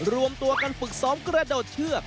รวมตัวกันฝึกซ้อมกระโดดเชือก